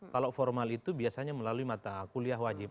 kalau formal itu biasanya melalui mata kuliah wajib